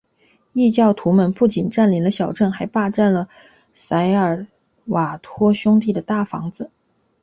异教徒们不仅占领了小镇还霸占了塞尔瓦托兄弟的大房子。